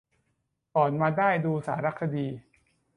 ก่อนมาได้ดูสารคดี